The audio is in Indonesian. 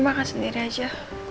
makan sendiri aja